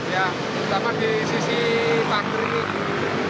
ya terutama di sisi pagar ini